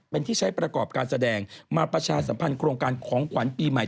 เป็นที่ใช้ประกอบการแสดงมาประชาสัมพันธ์โครงการของขวัญปีใหม่